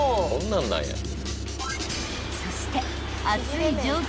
［そして］